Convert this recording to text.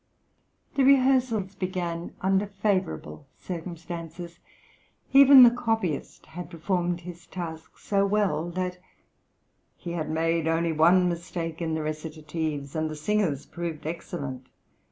The rehearsals began under favourable circumstances; even the copyist had performed his task so well that he {"MITRIDATE" HOPES AND FEARS.} (131) had made only one mistake in the recitatives, and the singers proved excellent.